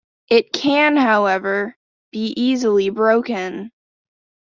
It can, however, be easily broken.